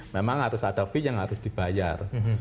memang harus ada feed yang harus dibayar